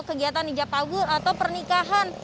kegiatan ijab kabul atau pernikahan